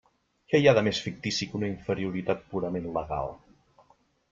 Què hi ha de més fictici que una inferioritat purament legal!